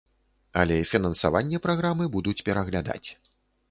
Але фінансаванне праграмы будуць пераглядаць.